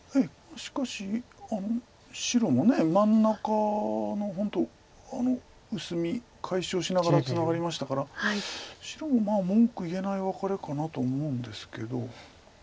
しかし白も真ん中の本当薄み解消しながらツナがりましたから白も文句言えないワカレかなと思うんですけど。